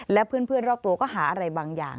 และเพื่อนรอบตัวก็หาอะไรบางอย่าง